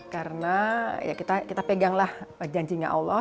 karena ya kita peganglah janjinya allah